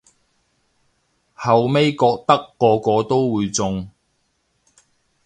後咪覺得個個都會中